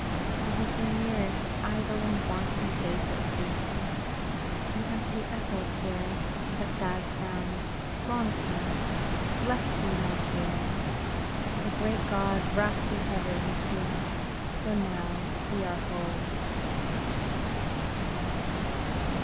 "It was the merest, idling, wanton vapor, Lucy!" "An empty echo, Pierre, of a sad sound, long past. Bless thee, my Pierre!" "The great God wrap thee ever, Lucy. So, now, we are home."